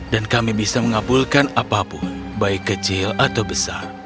dan kami bisa mengabulkan apapun baik kecil atau besar